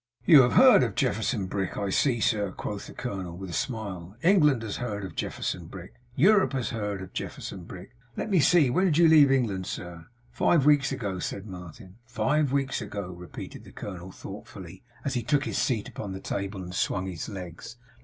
'You have heard of Jefferson Brick, I see, sir,' quoth the colonel, with a smile. 'England has heard of Jefferson Brick. Europe has heard of Jefferson Brick. Let me see. When did you leave England, sir?' 'Five weeks ago,' said Martin. 'Five weeks ago,' repeated the colonel, thoughtfully; as he took his seat upon the table, and swung his legs.